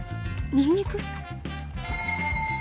ニンニク！？